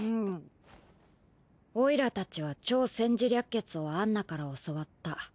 オイラたちは『超・占事略決』をアンナから教わった。